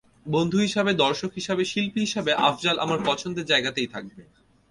বন্ধু হিসেবে, দর্শক হিসেবে, শিল্পী হিসেবে আফজাল আমার পছন্দের জায়গাতেই থাকবে।